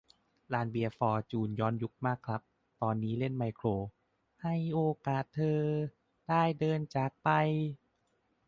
ลานเบียร์ฟอร์จูนย้อนยุคมากครับ ตอนนี้เล่นไมโคร "ให้โอกาสเธอ ได้เดินจากไป "